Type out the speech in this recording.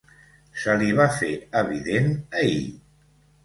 Se li va fer evident ahir.